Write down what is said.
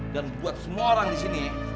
dan buat semua orang disini